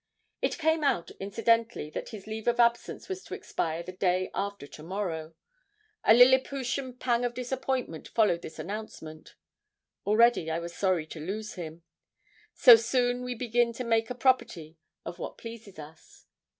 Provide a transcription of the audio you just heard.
It came out incidentally that his leave of absence was to expire the day after to morrow. A Lilliputian pang of disappointment followed this announcement. Already I was sorry to lose him. So soon we begin to make a property of what pleases us.